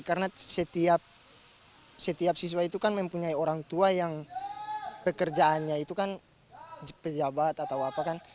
karena setiap siswa itu kan mempunyai orang tua yang pekerjaannya itu kan pejabat atau apa kan